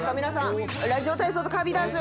ラジオ体操とカーヴィーダンス。